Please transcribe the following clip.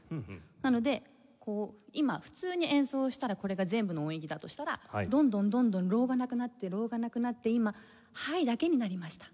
なのでこう今普通に演奏したらこれが全部の音域だとしたらどんどんどんどんローがなくなってローがなくなって今ハイだけになりました。